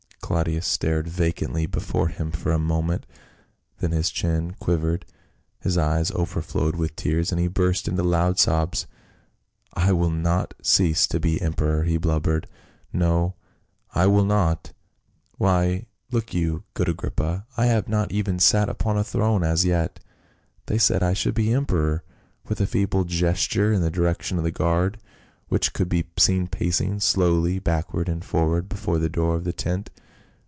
Claudius stared vacantly before him for a moment, then his chin quivered, his eyes overflowed with tears and he burst into loud sobs. " I will not cease to be emperor," he blubbered. " No, I will not ! Why, look you, good Agrippa, I have not even sat upon a throne as yet ; t/iejy said I should be emperor," with a feeble gesture in the direction of the guard which could be seen pacing slowly backward and forward before the door of the tent.